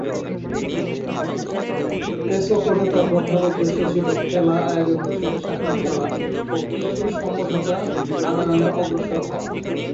এ সফরে তাঁর প্রধান উদ্দেশ্য ছিল খেলা আয়োজকদের সাথে সাক্ষাৎ করা ও কিছু সমঝোতা আনয়ণে অগ্রসর হওয়া।